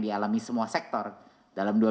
dialami semua sektor dalam